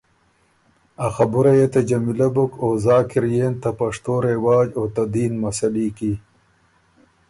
ا خبُره يې ته جمیلۀ بُک، او زاک اِر يېن ته پشتو رواج او ته دین مسلي کی،